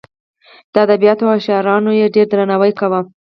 د ادبیاتو او شاعرانو یې ډېر درناوی کاوه.